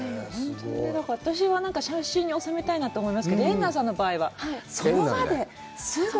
私は何か写真に収めたいなと思いまけど、エンナさんの場合はその場ですぐ。